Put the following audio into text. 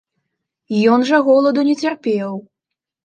Ён жа голаду не цярпеў.